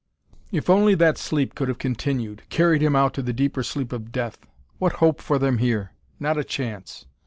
If only that sleep could have continued carried him out to the deeper sleep of death! What hope for them here? Not a chance!